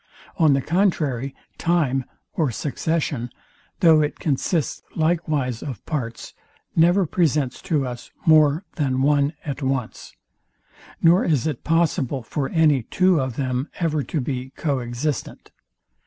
On the contrary, time or succession, though it consists likewise of parts, never presents to us more than one at once; nor is it possible for any two of them ever to be co existent.